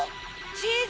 チーズ！